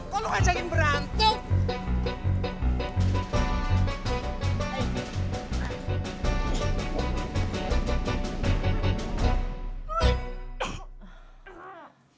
kok lo ngajakin berantuk